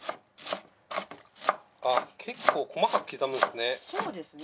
結構細かく刻むんですね。